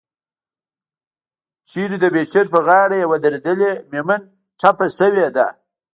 چرته دمیچن په غاړه يوه دردېدلې مېرمن ټپه شوې ده